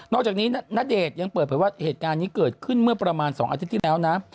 จากนี้ณเดชน์ยังเปิดเผยว่าเหตุการณ์นี้เกิดขึ้นเมื่อประมาณ๒อาทิตย์ที่แล้วนะ